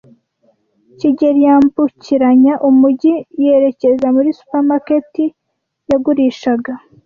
kigeli yambukiranya umujyi yerekeza muri supermarket yagurishaga